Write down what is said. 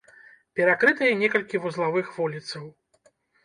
Перакрытыя некалькі вузлавых вуліцаў.